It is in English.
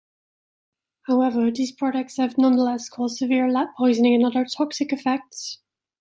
However, these products have nonetheless caused severe lead poisoning and other toxic effects.